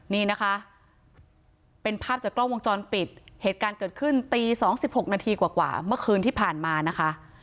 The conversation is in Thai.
นี่นะคะเป็นภาพจากกล้องวงจรปิดเหตุการณ์เกิดขึ้นตี๒๖นาทีกว่าเมื่อคืนที่ผ่านมานะคะ